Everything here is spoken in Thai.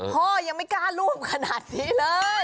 พ่อยังไม่กล้าร่วมขนาดนี้เลย